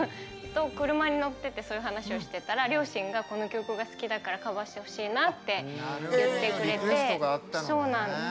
車に乗っててそういう話をしてたら両親が、この曲が好きだからカバーしてほしいなって言ってくれて。